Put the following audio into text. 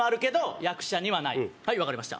はい、わかりました。